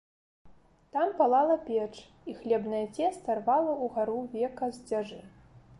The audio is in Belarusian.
Там палала печ, і хлебнае цеста рвала ўгару века з дзяжы.